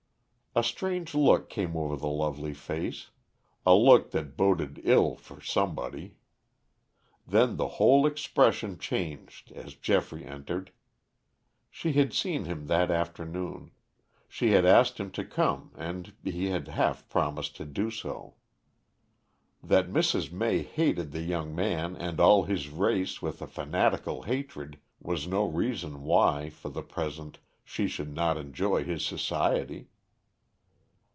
A strange look came over the lovely face, a look that boded ill for somebody. Then the whole expression changed as Geoffrey entered. She had seen him that afternoon; she had asked him to come and he had half promised to do so. That Mrs. May hated the young man and all his race with a fanatical hatred was no reason why, for the present, she should not enjoy his society.